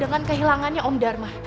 dengan kehilangannya om darma